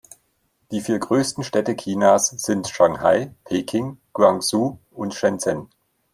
Die vier größten Städte Chinas sind Shanghai, Peking, Guangzhou und Shenzhen.